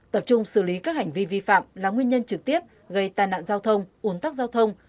tập trung xử lý các hành vi vi phạm là nguyên nhân trực tiếp gây tai nạn giao thông uốn tắc giao thông